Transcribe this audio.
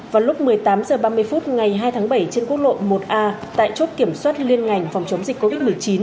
vào lúc một mươi tám h ba mươi phút ngày hai tháng bảy trên quốc lộ một a tại chốt kiểm soát liên ngành phòng chống dịch covid một mươi chín